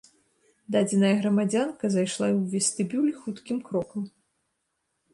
Дадзеная грамадзянка зайшла ў вестыбюль хуткім крокам.